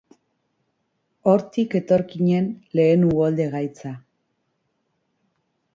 Hortik etorkinen lehen uholde gaitza.